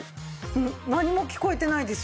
何も聞こえてないですよ。